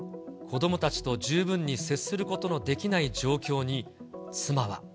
子どもたちと十分に接することのできない状況に妻は。